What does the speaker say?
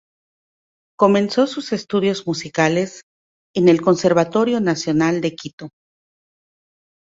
Comenzó sus estudios musicales en el Conservatorio Nacional de Quito.